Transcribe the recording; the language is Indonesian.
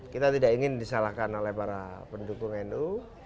kita tidak ingin disalahkan oleh para pendukung nu